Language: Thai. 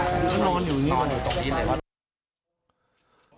คือนอนอยู่นอนอยู่ตรงนี้เลยครับ